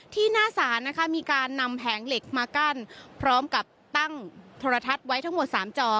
หน้าศาลนะคะมีการนำแผงเหล็กมากั้นพร้อมกับตั้งโทรทัศน์ไว้ทั้งหมด๓จอ